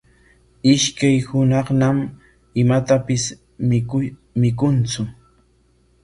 Ishkay hunaqñam imatapis mikuntsu.